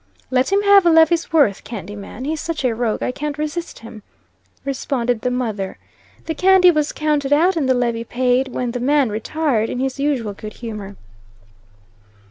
"Let him have a levy's worth, candy man. He's such a rogue I can't resist him," responded the mother. The candy was counted out, and the levy paid, when the man retired in his usual good humor.